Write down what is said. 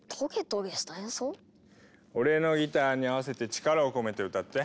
俺のギターに合わせて力を込めて歌って。